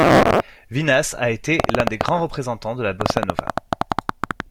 Vinhas a été l'un des grands représentants de la bossa nova.